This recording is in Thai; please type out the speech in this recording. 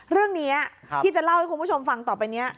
เรื่องนี้ที่จะเล่าให้คุณผู้ชมฟังต่อไปนี้